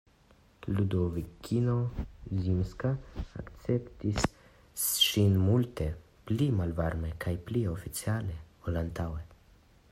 Ludovikino Zminska akceptis ŝin multe pli malvarme kaj pli oficiale, ol antaŭe.